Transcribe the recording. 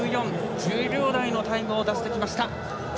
１０秒台のタイムを出してきました。